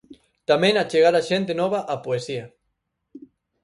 Tamén achegar a xente nova á poesía.